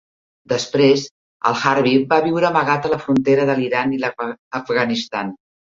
Després, Al-Harbi va viure amagat a la frontera de l'Iran i l'Afganistan.